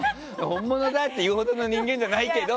本物だよって言うほどの人間じゃないけど。